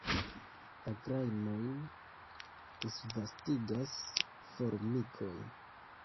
La grajnojn disvastigas formikoj.